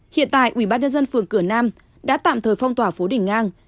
hiện tại ủy ban nhân dân phường cửa nam đã tạm thời phong tỏa phố đình ngang